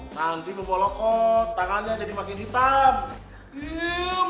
nanti membolokot tangannya jadi makin hitam